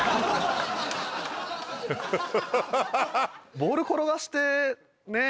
ボール転がしてねえ